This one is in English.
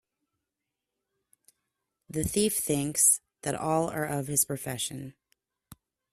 The thief thinks that all are of his profession.